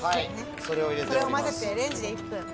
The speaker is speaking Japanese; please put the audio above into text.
これを混ぜてレンジで１分。